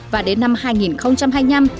và đến năm hai nghìn hai mươi năm